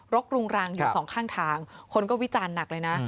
กรุงรังอยู่สองข้างทางคนก็วิจารณ์หนักเลยนะ